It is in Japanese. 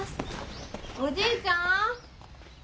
おじいちゃん。